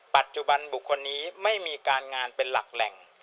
ปัจจุบันบุคคลนี้ไม่มีการงานเป็นหลักแหล่ง